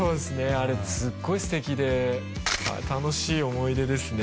あれすっごいすてきで楽しい思い出ですね